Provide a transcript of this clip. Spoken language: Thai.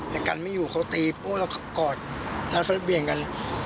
แต่กันไม่อยู่เขาตีผมแล้วกอดแล้วพัดเบี้ยงกัน